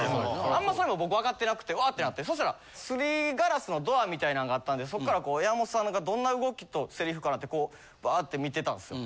あんまそういうの僕わかってなくて「わっ！」ってなってそしたらすりガラスのドアみたいなんがあったんでそっからこう山本さんがどんな動きと台詞かなってこうバーッて見てたんすよ。